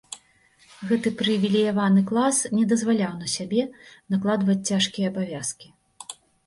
Гэты прывілеяваны клас не дазваляў на сябе накладваць цяжкія абавязкі.